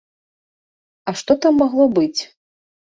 А што там магло быць?